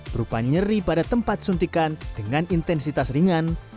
berupa nyeri pada tempat suntikan dengan intensitas ringan